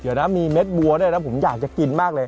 เดี๋ยวนะมีเม็ดบัวด้วยนะผมอยากจะกินมากเลย